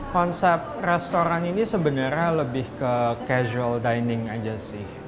konsep restoran ini sebenarnya lebih ke casual dining aja sih